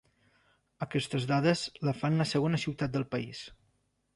Aquestes dades la fan la segona ciutat del país.